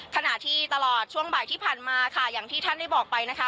ขณะที่ตลอดช่วงบ่ายที่ผ่านมาค่ะอย่างที่ท่านได้บอกไปนะคะ